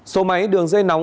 số máy đường dây nóng